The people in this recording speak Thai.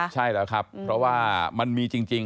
ใช่แล้วครับเพราะว่ามันมีจริง